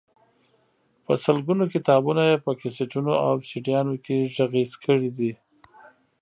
په سلګونو کتابونه یې په کیسټونو او سیډيګانو کې غږیز کړي دي.